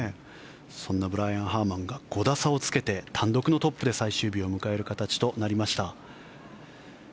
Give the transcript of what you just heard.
そんなブライアン・ハーマンが５打差をつけて単独のトップで最終日を迎える形となりました。